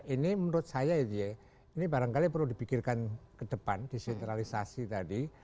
ini menurut saya ya ini ya ini barangkali perlu dibikirkan ke depan di sentralisasi tadi